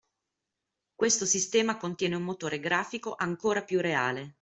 Questo sistema contiene un motore grafico ancora più reale